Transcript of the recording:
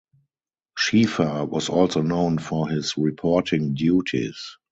Schieffer was also known for his reporting duties.